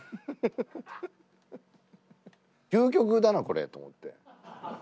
「究極だなこれ」と思って。